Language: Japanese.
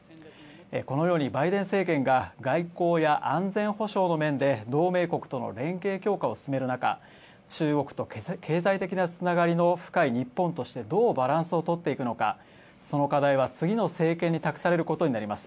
このようにバイデン政権が外交や安全保障の面で同盟国との連携強化を進める中、中国と経済的な繋がりの深い日本としてどうバランスを取っていくのかその課題は次の政権に託されることになります。